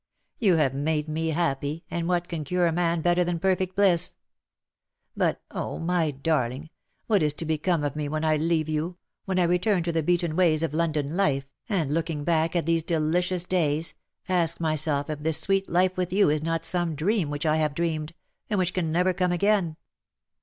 You have made me happy^ and what can cure a man better than perfect bliss. But, oh, my darling! what is to become of me when I leave you, when I return to the beaten ways of London life, and^ looking back at these delicious days, ask myself if this sweet life with you is not some dream which I have dreamed, and which can never come again